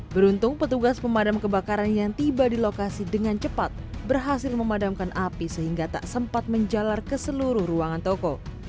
beruntung petugas pemadam kebakaran yang tiba di lokasi dengan cepat berhasil memadamkan api sehingga tak sempat menjalar ke seluruh ruangan toko